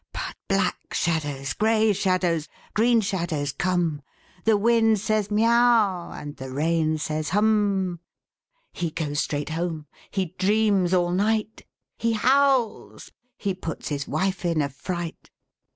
But black shadows, grey shadows, green shadows come. The wind says, " Miau !" and the rain says, « Hum !" He goes straight home. He dreams all night. He howls. He puts his wife in a fright.